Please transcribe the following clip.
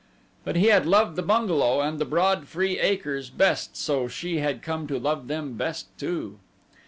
But he had loved the bungalow and the broad, free acres best and so she had come to love them best, too.